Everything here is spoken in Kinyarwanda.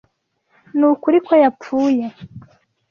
Nukuri ko yapfuye.